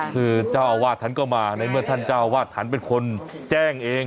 คือเจ้าอาวาสท่านก็มาในเมื่อท่านเจ้าอาวาสท่านเป็นคนแจ้งเอง